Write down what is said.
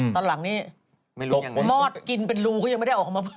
ตอนหลังนี่มอดกินเป็นรูก็ยังไม่ได้ออกมา